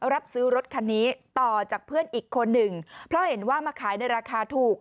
รับซื้อรถคันนี้ต่อจากเพื่อนอีกคนหนึ่งเพราะเห็นว่ามาขายในราคาถูก